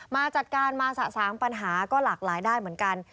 มาจัดการมาสะสางปัญหาก็หลากหลายได้เหมือนกัน